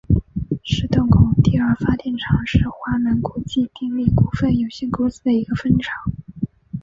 石洞口第二发电厂是华能国际电力股份有限公司的一个分厂。